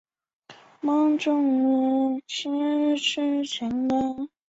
各角色会以迷你角色在短篇中登场。